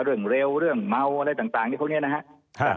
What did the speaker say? เรื่องเร็วเรื่องเมาอะไรต่างพวกนี้นะครับ